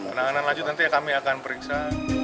penanganan lanjut nanti kami akan periksa